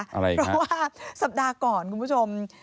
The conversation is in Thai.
เพราะว่าสัปดาห์ก่อนคุณผู้ชม